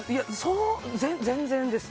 全然です。